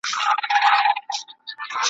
دې مقام ته بل څوک نه وه رسېدلي ,